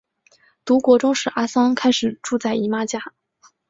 读国中时阿桑开始住在姨妈家。